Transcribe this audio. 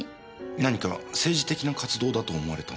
何か政治的な活動だと思われたんでしょうか。